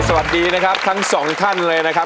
สวัสดีนะครับทั้งสองท่านเลยนะครับ